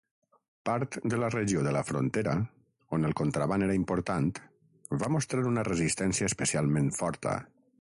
Part de la regió de la frontera, on el contraban era important, va mostrar una resistència especialment forta.